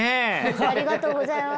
ありがとうございます。